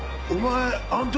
お前。